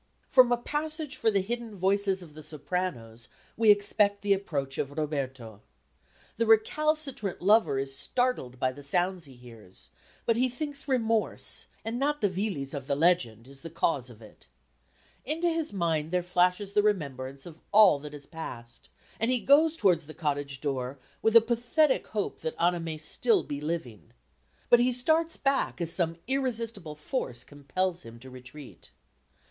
From a passage for the hidden voices of the sopranos we expect the approach of Roberto. The recalcitrant lover is startled by the sounds he hears, but he thinks remorse, and not the Villis of the legend, is the cause of it. Into his mind there flashes the remembrance of all that has passed, and he goes towards the cottage door with a pathetic hope that Anna may still be living. But he starts back as some irresistible force compels him to retreat.